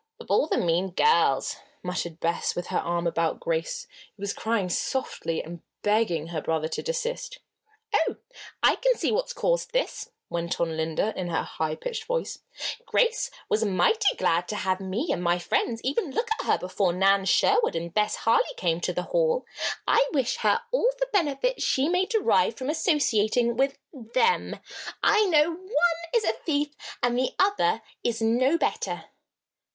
"Of all the mean girls!" murmured Bess, with her arm about Grace, who was crying softly and begging her brother to desist. "Oh! I can see what's caused all this," went on Linda, in her high pitched voice. "Grace was mighty glad to have me and my friends even look at her before Nan Sherwood and Bess Harley came to the Hall. I wish her all the benefit she may derive from associating with them. I know one is a thief and the other is no better."